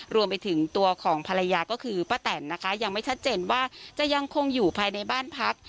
รวมไปถึงตัวของภรรยาก็คือป้าแตนนะคะยังไม่ชัดเจนว่าจะยังคงอยู่ภายในบ้านพัก